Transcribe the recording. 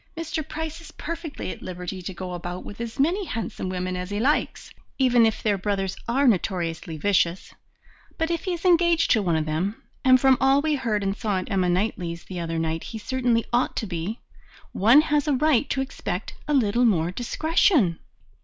Mr. Price is perfectly at liberty to go about with as many handsome women as he likes, even if their brothers are notoriously vicious, but if he is engaged to one of them and from all we heard and saw at Emma Knightley's the other night he certainly ought to be one has a right to expect a little more discretion."